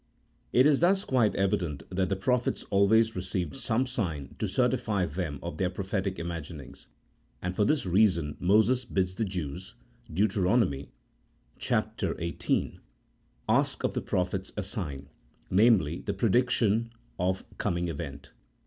It is thus quite evident that the prophets always received some sign to certify them of their prophetic imaginings; and for this reason Moses bids the Jews (Deut. xviii.) ask of the pro phets a sign, namely, the prediction of some coming event.